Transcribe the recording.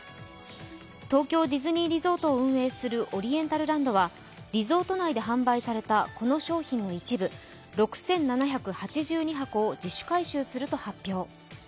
東京ディズニーリゾートを運営するオリエンタルランドはリゾート内で販売されたこの商品の一部、６７８２箱を自主回収すると発表。